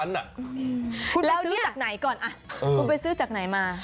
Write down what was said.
คุณไปซื้อจากไหนก่อนคุณไปซื้อจากไหนมา